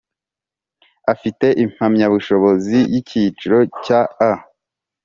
afite impamyabushobozi yikiciro cya A